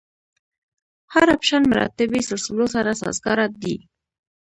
هر اپشن مراتبي سلسلو سره سازګاره دی.